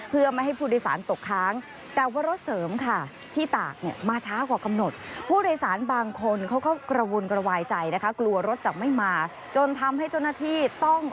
เพื่อไม่ให้ผู้โดยสารตกค้าง